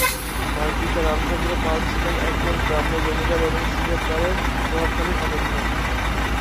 তার পিতা রামচন্দ্র পাল ছিলেন একজন গ্রাম্য জমিদার এবং সিলেট বারের প্রভাবশালী সদস্য।